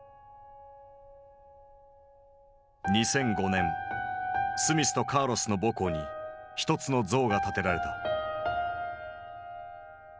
２００５年スミスとカーロスの母校に一つの像が建てられた。